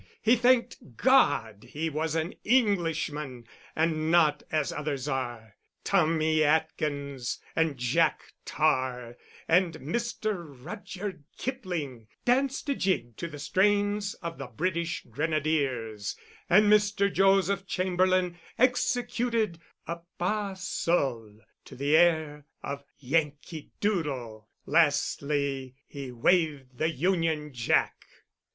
He thanked God he was an Englishman, and not as others are. Tommy Atkins, and Jack Tar, and Mr. Rudyard Kipling, danced a jig to the strains of the British Grenadiers; and Mr. Joseph Chamberlain executed a pas seul to the air of Yankee Doodle. Lastly, he waved the Union Jack.